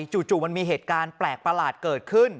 จู่มันมีเหตุการณ์แปลกประหลาดเกิดขึ้น